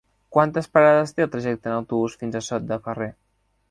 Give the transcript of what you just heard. Quantes parades té el trajecte en autobús fins a Sot de Ferrer?